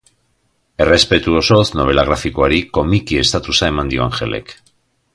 Errespetu osoz, nobela grafikoari komiki estatusa eman dio Angelek.